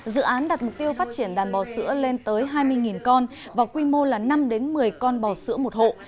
dự án đặt mục tiêu phát triển đàn bò sữa lên tới hai mươi con và quy mô là năm một mươi con bò sữa một hộ